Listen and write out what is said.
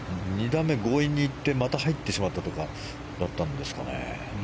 ２打目、強引に行ってまた入ってしまったとかだったんですかね。